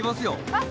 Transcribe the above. あっ